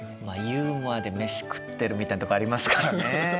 まあユーモアで飯食ってるみたいなとこありますからね